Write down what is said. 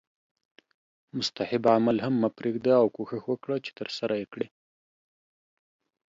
مستحب عمل هم مه پریږده او کوښښ وکړه چې ترسره یې کړې